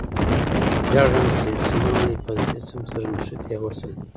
ژیړ رنګ سیمان له حفاظتي سیم سره نښتي یا وصل دي.